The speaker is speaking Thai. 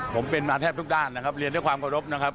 ผมเป็นมาแทบทุกด้านนะครับเรียนด้วยความเคารพนะครับ